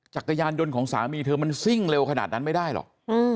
จักรยานยนต์ของสามีเธอมันซิ่งเร็วขนาดนั้นไม่ได้หรอก